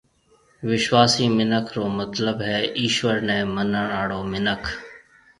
وِشواسي مِنک رو مطلب ھيََََ ايشوَر نَي منڻ آݪو مِنک۔